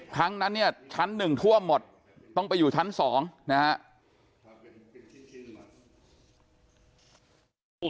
ครั้งนั้นเนี้ยชั้นหนึ่งทั่วหมดต้องไปอยู่ชั้นสองนะฮะ